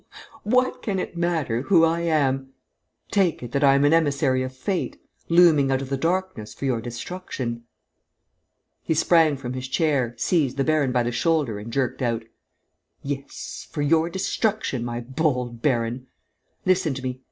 "What can it matter who I am? Take it that I am an emissary of fate, looming out of the darkness for your destruction!" He sprang from his chair, seized the baron by the shoulder and jerked out: "Yes, for your destruction, my bold baron! Listen to me!